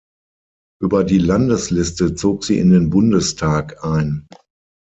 Über die Landesliste zog sie in den Bundestag ein.